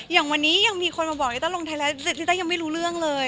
อย่างวันนี้ยังมีคนมาบอกลิต้าลงไทยรัฐลิต้ายังไม่รู้เรื่องเลย